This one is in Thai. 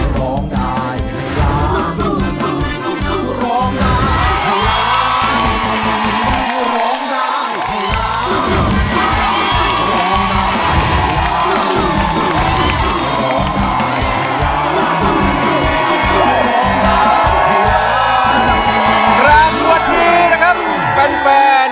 กล้องร้องให้ล้าน